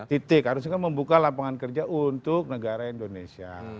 titik harusnya membuka lapangan kerja untuk negara indonesia